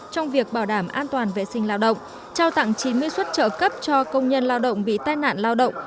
trong việc bảo đảm an toàn vệ sinh lao động trao tặng chín mươi xuất trợ cấp cho công nhân lao động bị tai nạn lao động